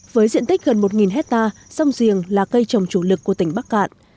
với diện tích gần một hectare rong riềng là cây trồng chủ lực của tỉnh bắc cạn